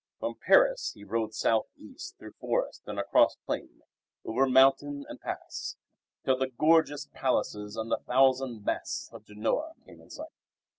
From Paris he rode south east through forest and across plain, over mountain and pass, till the gorgeous palaces and the thousand masts of Genoa came in sight.